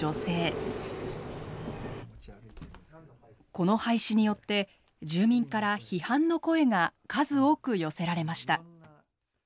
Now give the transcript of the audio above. この廃止によって住民から批判の声が数多く寄せられました。